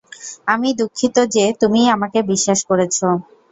আমিই দুঃখিত যে, তুমিই আমাকে বিশ্বাস করেছো।